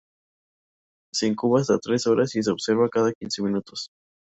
Se incuba hasta tres horas y se observa cada quince minutos.